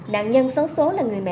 nạn nhân số số là người mẹ